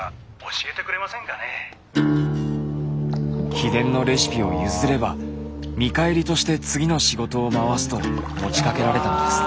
秘伝のレシピを譲れば見返りとして次の仕事を回すと持ちかけられたのです。